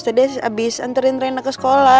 terus abis anterin rena ke sekolah